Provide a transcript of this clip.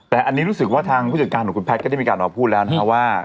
แต่อันนี้รู้สึกว่าทางผู้จัดการของคุณแพทย์ก็ได้มีการออกมาพูดแล้วนะครับว่า